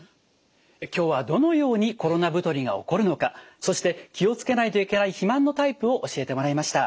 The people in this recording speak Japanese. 今日はどのようにコロナ太りが起こるのかそして気を付けないといけない肥満のタイプを教えてもらいました。